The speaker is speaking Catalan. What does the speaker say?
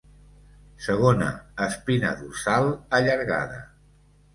Segona espina dorsal allargada.